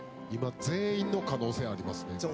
今全員の可能性ありますね。